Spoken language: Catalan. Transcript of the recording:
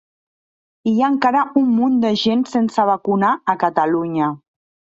Hi ha encara una munt de gent sense vacunar a Catalunya